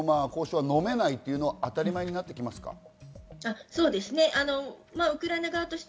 当然、ウクライナ側は交渉はのめないというのは当たり前になってきますか？